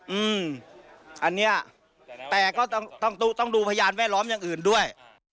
อืมอันนี้แต่ก็ต้องต้องดูพยานแวดล้อมอย่างอื่นด้วย